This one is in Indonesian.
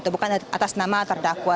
bukan atas nama terdakwa